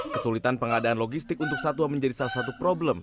kesulitan pengadaan logistik untuk satwa menjadi salah satu problem